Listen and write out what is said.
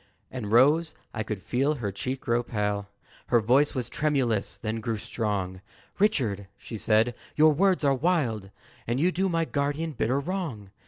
And Rose I could feel her cheek grow pale Her voice was tremulous, then grew strong "Richard," she said, "your words are wild, And you do my guardian bitter wrong.